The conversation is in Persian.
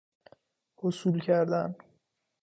حصول کردن